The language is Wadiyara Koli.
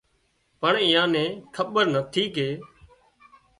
پڻ ايئان نين کٻير نٿي ڪي